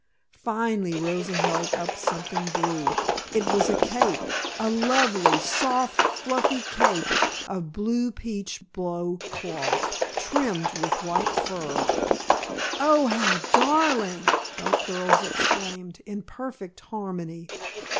Finally Rosa held up something blue. It was a cape a lovely soft, fluffy cape of blue peach blow cloth, trimmed with white fur. "Oh! How darling!" both girls exclaimed in perfect harmony.